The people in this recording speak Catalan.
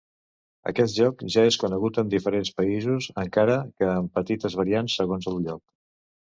Aquest joc és conegut en diferents països, encara que amb petites variants segons el lloc.